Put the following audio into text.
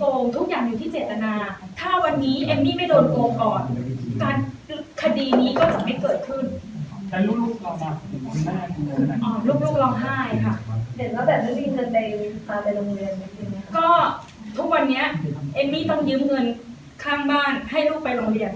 ก็ทุกวันนี้เอมมี่ต้องยืมเงินข้างบ้านให้ลูกไปโรงเรียน